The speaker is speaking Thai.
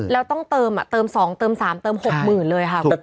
แล้วต้องเติม๒๓เติม๖หมื่นเลยค่ะ